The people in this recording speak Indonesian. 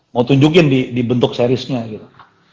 mau tunjukin di bentuk seriesnya gitu